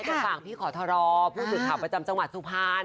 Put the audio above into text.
ใช่แต่ฝากพี่ขอทรอบผู้จุดถามประจำจังหวัดสุพรรณ